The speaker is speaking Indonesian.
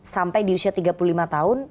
sampai di usia tiga puluh lima tahun